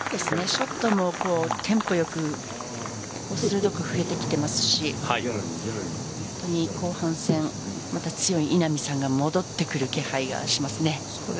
ショットもテンポ良く振れてきてますし本当に後半戦強い稲見さんが戻ってくる気配がしますね。